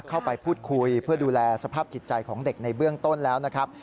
เข้าไปพูดคุยเพื่อดูแลสภาพจิตใจของเด็กในเบื้องต้นแล้วนะครับ